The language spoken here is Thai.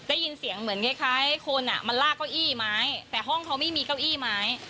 ได้ยินเสียงเหมือนคล้ายคนอ่ะมันลากเก้าอี้ไม้แต่ห้องเขาไม่มีเก้าอี้ไม้